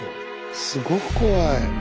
すごく怖い。